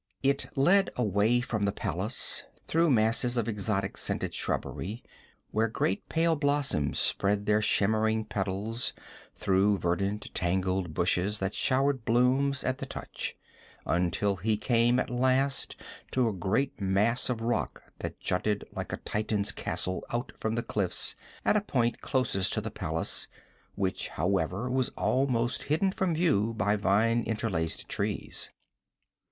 It led away from the palace, through masses of exotic scented shrubbery where great pale blossoms spread their shimmering petals, through verdant, tangled bushes that showered blooms at the touch, until he came at last to a great mass of rock that jutted like a titan's castle out from the cliffs at a point closest to the palace, which, however, was almost hidden from view by vine interlaced trees.